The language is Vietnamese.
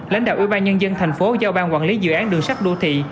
lãnh đạo ủy ban nhân dân thành phố giao ban quản lý dự án đường sắt đô thị